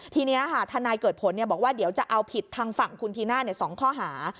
ทีนี้ค่ะทนายเกิดผลบอกว่าเดี๋ยวจะเอาผิดทางฝั่งคุณธีน่า๒ข้อหา